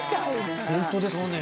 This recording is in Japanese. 本当ですね。